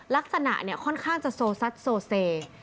ลักษณะเนี่ยค่อนข้างจะโซซัดโซเซ